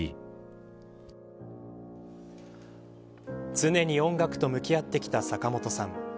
常に音楽と向き合ってきた坂本さん。